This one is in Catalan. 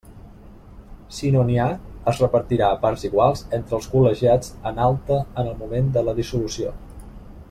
Si no n'hi ha, es repartirà a parts iguals entre els col·legiats en alta en el moment de la dissolució.